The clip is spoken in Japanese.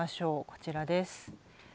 こちらです。